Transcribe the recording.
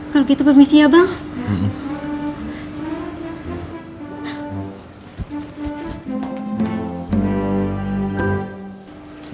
kalau gitu permisi ya bang